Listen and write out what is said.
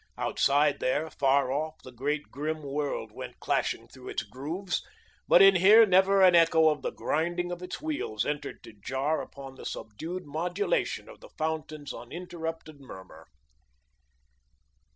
Outside there, far off, the great grim world went clashing through its grooves, but in here never an echo of the grinding of its wheels entered to jar upon the subdued modulation of the fountain's uninterrupted murmur.